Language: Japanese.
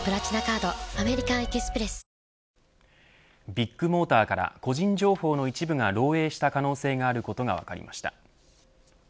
ビッグモーターから個人情報の一部が漏えいした可能性があることが分かりました。